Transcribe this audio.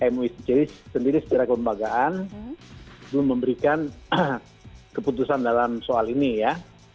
mui sendiri secara kelembagaan belum memberikan keputusan dalam soal ini ya